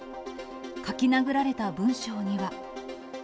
書きなぐられた文章には。